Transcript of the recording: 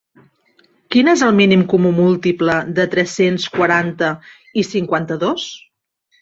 Quin és el mínim comú múltiple de tres-cents quaranta i cinquanta-dos?